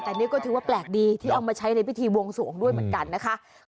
แต่นี่ก็ถือว่าแปลกดีที่เอามาใช้ในพิธีวงสวงด้วยเหมือนกันนะคะ